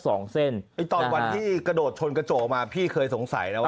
สองเส้นไอ้ตอนวันที่กระโดดชนกระโจกมาพี่เคยสงสัยนะว่า